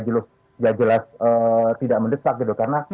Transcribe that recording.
tidak jelas tidak mendesak